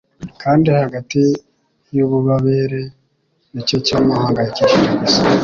kandi hagati yububabare nicyo cyamuhangayikishije gusa